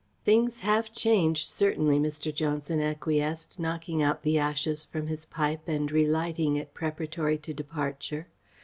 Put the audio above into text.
"Things have changed certainly," Mr. Johnson acquiesced, knocking out the ashes from his pipe and relighting it, preparatory to departure.